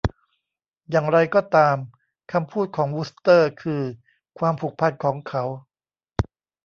อย่างไรก็ตาม คำพูดของวูสเตอร์คือความผูกพันของเขา